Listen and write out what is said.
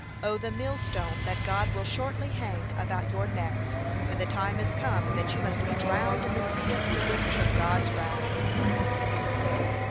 Oh! the millstone that God will shortly hang about your necks, when the time is come that you must be drowned in the sea and deluge of God's wrath.